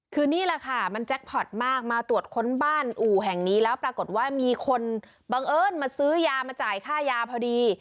คือนี่แหละค่ะมันแจ็คพอร์ตมากมาตรวจค้นบ้านอู่แห่งนี้แล้วปรากฏว่ามีคนบังเอิญมาซื้อยามาจ่ายค่ายาพอดี